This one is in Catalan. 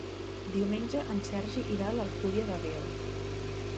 Diumenge en Sergi irà a l'Alcúdia de Veo.